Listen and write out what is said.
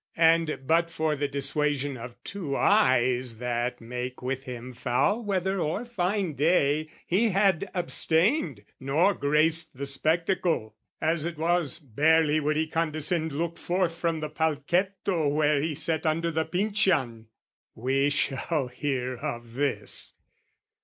"And but for the dissuasion of two eyes "That make with him foul weather or fine day, "He had abstained, nor graced the spectacle: "As it was, barely would he condescend "Look forth from the palchetto where he sat "Under the Pincian: we shall hear of this!